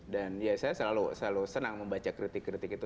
dan ya saya selalu senang membaca kritik kritik itu